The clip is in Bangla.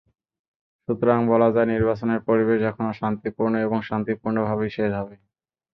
সুতরাং বলা যায়, নির্বাচনের পরিবেশ এখনো শান্তিপূর্ণ এবং শান্তিপূর্ণভাবেই শেষ হবে।